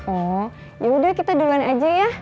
oh ya udah kita duluan aja ya